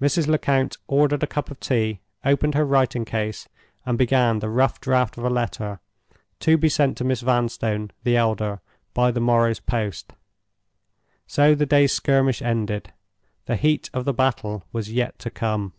Mrs. Lecount ordered a cup of tea, opened her writing case, and began the rough draft of a letter to be sent to Miss Vanstone, the elder, by the morrow's post. So the day's skirmish ended. The heat of the battle was yet to come.